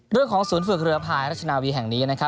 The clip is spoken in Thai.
เรื่องของฝึกเรือพายราชนาวีแห่งนี้